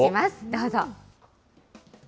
どうぞ。